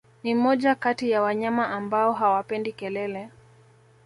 Ni moja kati ya wanyama ambao hawapendi kelele